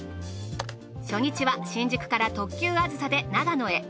初日は新宿から特急あずさで長野へ。